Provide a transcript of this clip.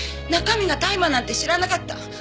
中身が大麻なんて知らなかった。